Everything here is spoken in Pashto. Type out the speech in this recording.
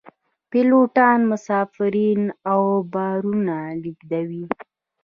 پیلوټان مسافرین او بارونه لیږدوي